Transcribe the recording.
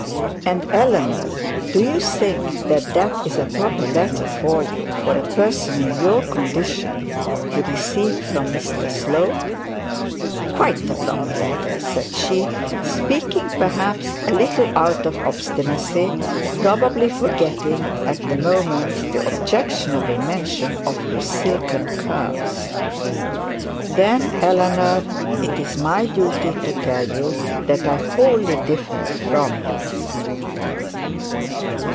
'And Eleanor, do you think that that is a proper letter for you for a person in your condition to receive from Mr Slope?' 'Quite a proper letter,' said she, speaking, perhaps, a little out of obstinacy; probably forgetting at the moment the objectionable mention of her silken curls. 'Then, Eleanor, it is my duty to tell you that I wholly differ from you.'